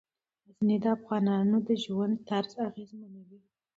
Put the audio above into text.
غزني د افغانانو د ژوند طرز اغېزمنوي.